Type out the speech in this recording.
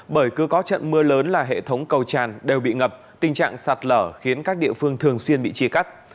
bởi cứ có trận mưa lớn là hệ thống cầu tràn đều bị ngập tình trạng sạt lở khiến các địa phương thường xuyên bị chia cắt